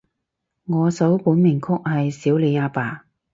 我首本名曲係少理阿爸